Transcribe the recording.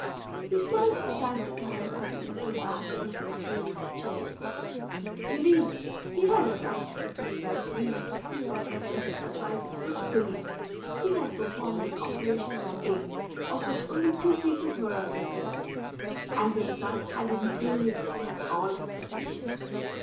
He smiled from time to time as he nestled back in his luxurious chair. Indeed, he had a right to feel well pleased, for, against the advice of six colleagues, he had performed an operation that day of which only two cases were on record, and the result had been brilliant beyond all expectation.